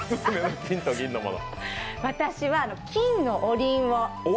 私は金のおりんを。